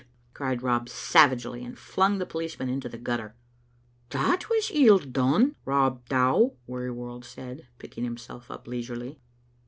cried Rob, savagely, and flung the policeman into the gutter. "That was ill dune, Rob Dow," Wearyworld said, picking himself up leisurely.